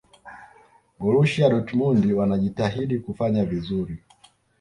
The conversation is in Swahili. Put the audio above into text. borusia dortmund wanajitahidi kufanya vizuri